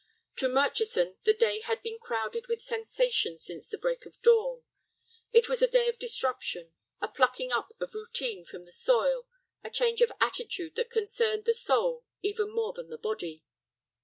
To Murchison the day had been crowded with sensation since the break of dawn. It was a day of disruption, a plucking up of routine from the soil, a change of attitude that concerned the soul even more than the body.